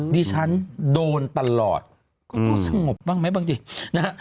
ดิฉันโดนตลอดก็ต้องสงบบ้างไหมบางทีนะฮะ